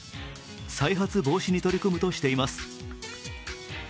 再発防止に取り組むとしています。